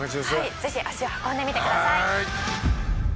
ぜひ足を運んでみてください。